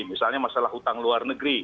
misalnya masalah hutang luar negeri